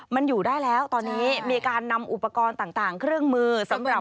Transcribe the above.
มันอยู่ได้แล้วตอนนี้มีการนำอุปกรณ์ต่างเครื่องมือสำหรับ